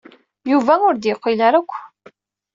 Yuba ur d-yeqqil ara akk.